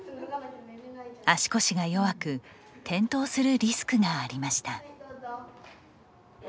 足腰が弱く転倒するリスクがありました。